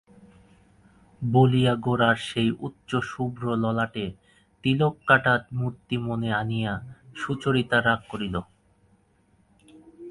বলিয়া গোরার সেই উচ্চ শুভ্র ললাটে তিলক-কাটা মূর্তি মনে আনিয়া সুচরিতা রাগ করিল।